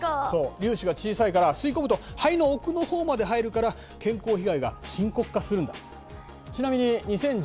粒子が小さいから吸い込むと肺の奥のほうまで入るから健康被害が深刻化するんだ。